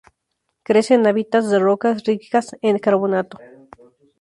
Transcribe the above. Crece en hábitats de rocas ricas en carbonato.